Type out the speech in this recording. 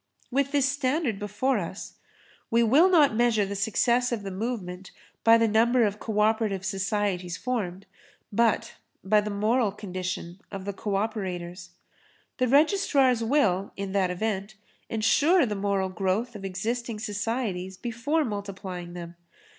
With this standard before us, we will not measure the success of the movement by the number of co operative societies formed, but by the moral condition of the co operators. The registrars will, in that event, ensure the moral growth of existing societies before multiplying them.